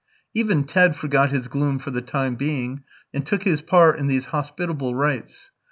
Even Ted forgot his gloom for the time being, and took his part in these hospitable rites.